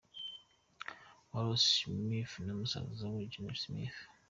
Willow Smith na musaza we Jaden Smith.